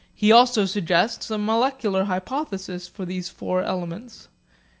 He also suggests a molecular hypothesis for these four elements.